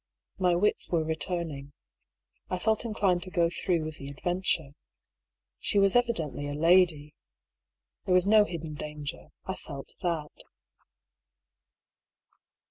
My wits were returning. I felt inclined to go through with the adventure. She was evidently a lady. There was no hidden danger, I felt that.